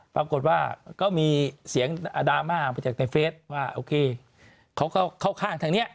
ปรากฏว่าก็มีเสียงดราม่ามาจากในเฟสว่าโอเคเขาก็เข้าข้างทางนี้